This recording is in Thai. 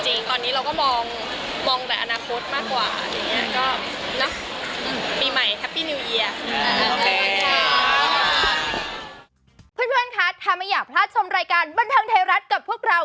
ตอนนี้เราก็มองแต่อนาคตมากกว่าอย่างนี้ก็นะ